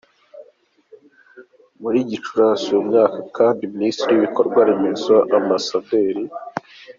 Muri Gicurasi uyu mwaka kandi Minisitiri w’Ibikorwa remezo, Amb.